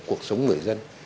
cuộc sống người dân